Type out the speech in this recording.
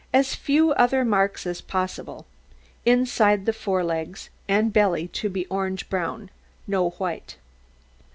As few other marks as possible. Inside of fore legs and belly to be orange brown. No white.